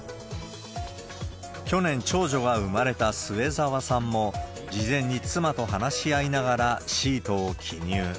去年、長女が産まれた末澤さんも、事前に妻と話し合いながらシートを記入。